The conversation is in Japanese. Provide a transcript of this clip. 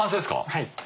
はい。